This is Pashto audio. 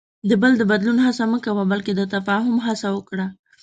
د بل د بدلون هڅه مه کوه، بلکې د تفاهم هڅه وکړه.